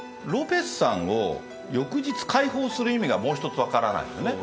ロペスさんを翌日解放する意味がもう一つ分からない。